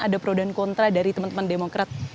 ada pro dan kontra dari teman teman demokrat